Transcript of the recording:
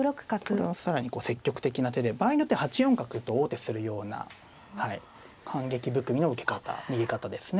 これは更に積極的な手で場合によっては８四角と王手するような反撃含みの受け方逃げ方ですね。